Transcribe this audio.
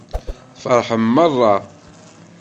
Tfeṛḥem meṛṛa.